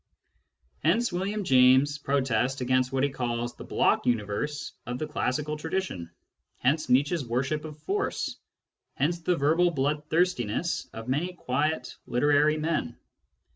Hence William James's protest against what he calls the "block universe" of the classical tradition ; hence Nietzsche's worship of force ; hence the verbal bloodthirstiness of many quiet literary men.